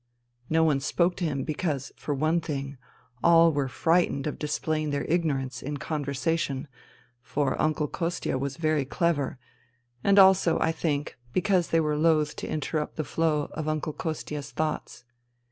No one spoke to him because, for one thing, all were frightened of displaying their ignorance in con versation, for Uncle Kostia was very clever, and also, I think, because they were loth to interrupt the flow of Uncle Kostia' s thoughts.